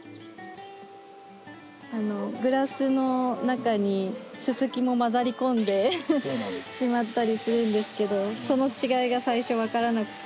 グラスの中にススキも交ざり込んでしまったりするんですけどその違いが最初分からなくて。